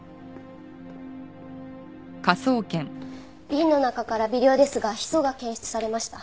瓶の中から微量ですがヒ素が検出されました。